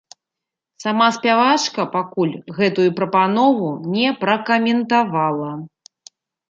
Сама спявачка пакуль гэтую прапанову не пракаментавала.